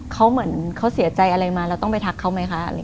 เขาเหมือนเขาเสียใจอะไรมาเราต้องไปทักเขาไหมคะ